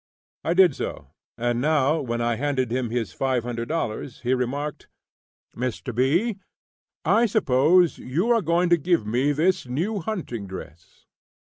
I did so, and now when I handed him his $500 he remarked: "Mr. B., I suppose you are going to give me this new hunting dress."